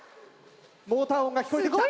モーター音が聞こえてきた。